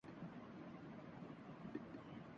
ان کی لمبی لمبی زلفیں کندھوں پر جھولنے لگیں